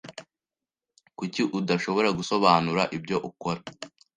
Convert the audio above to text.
Kuki udashobora gusobanura ibyo ukora?